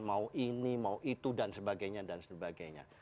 mau ini mau itu dan sebagainya